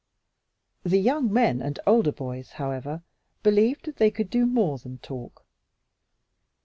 The young men and older boys, however, believed that they could do more than talk.